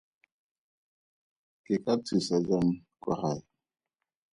Ke ka thusa jang kwa gae.